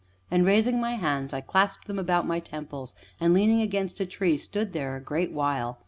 And, raising my hands, I clasped them about my temples, and, leaning against a tree, stood there a great while.